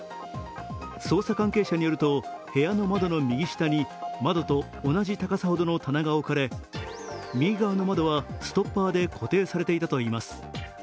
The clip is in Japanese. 捜査関係者によると、部屋の窓の右下に窓と同じ高さほどの棚が置かれ、右側の窓はストッパーで固定されていたといいます。